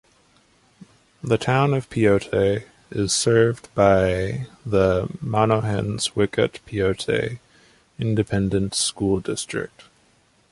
The Town of Pyote is served by the Monahans-Wickett-Pyote Independent School District.